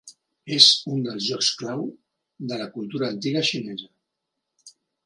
És un dels llocs clau de la cultura antiga xinesa.